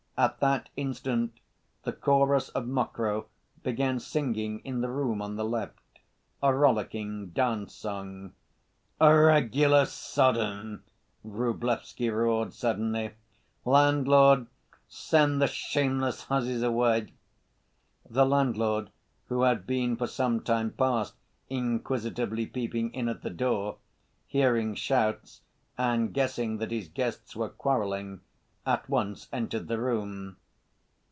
At that instant the chorus of Mokroe began singing in the room on the left—a rollicking dance song. "A regular Sodom!" Vrublevsky roared suddenly. "Landlord, send the shameless hussies away!" The landlord, who had been for some time past inquisitively peeping in at the door, hearing shouts and guessing that his guests were quarreling, at once entered the room.